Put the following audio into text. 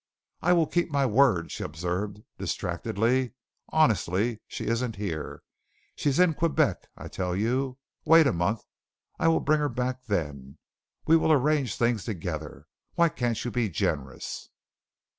"I will keep my word," she observed distractedly. "Honestly she isn't here. She's in Quebec, I tell you. Wait a month. I will bring her back then. We will arrange things together. Why can't you be generous?"